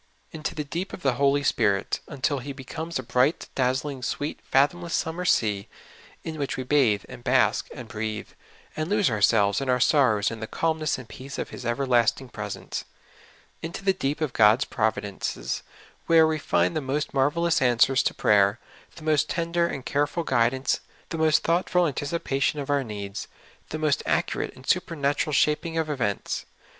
Into the deep of the Holy Spirit, un til He becomes a bright, dazzling, sweet, fathomless summer sea, in which we bathe and bask and breathe, and lose ourselves and our sorrows in the calmness and peace of His everlasting presence. Into the deep of God's providences, where we find the most marvelous answers to prayer, the most tender and careful guid ance, the most thoughtful anticipation of our needs, the most accurate and supernatural vShaping of events.